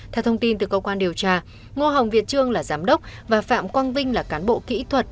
theo thông tin từ cơ quan điều tra ngô hồng việt trương là giám đốc và phạm quang vinh là cán bộ kỹ thuật